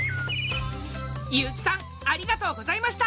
悠木さんありがとうございました！